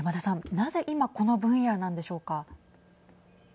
なぜ今この分野なんでしょうか。